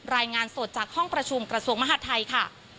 รายงานสดจากห้องประชุมกระทรวงมหาดไทยค่ะ